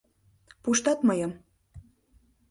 — Пуштат мыйым...